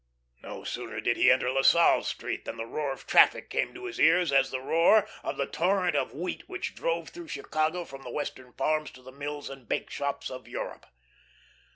No sooner did he enter La Salle Street, than the roar of traffic came to his ears as the roar of the torrent of wheat which drove through Chicago from the Western farms to the mills and bakeshops of Europe.